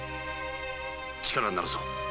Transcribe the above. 力になるぞ。